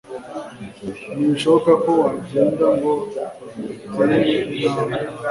ntibishoboka ko wagenda ngo utere intambwe